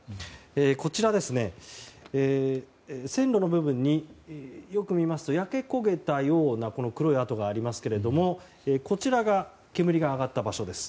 こちら、線路の部分によく見ますと焼け焦げたような黒い跡がありますがこちらが煙が上がった場所です。